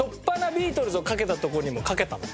ビートルズをかけたところにも掛けたの。